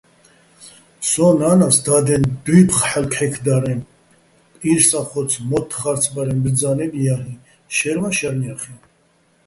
სოჼ ნა́ნას დადეჼ დუ́ფხო̆ ჰ̦ალო̆ ჴექდარეჼ, პირსახოც-მოთთხა́რცბარეჼ ბძა́ნებ ჲალ'იჼ, შაჲრვაჼ შარნ ჲახეჼ.